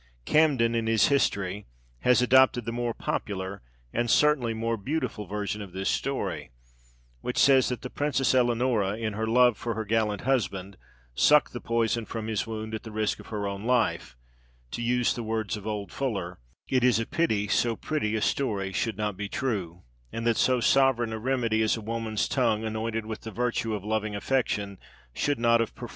Camden, in his history, has adopted the more popular, and certainly more beautiful version of this story, which says that the Princess Eleonora, in her love for her gallant husband, sucked the poison from his wound at the risk of her own life: to use the words of old Fuller, "it is a pity so pretty a story should not be true; and that so sovereign a remedy as a woman's tongue, anointed with the virtue of loving affection," should not have performed the good deed.